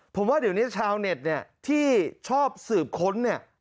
ผมว่าเดี๋ยวนี้ชาวเน็ตที่ชอบสืบค้น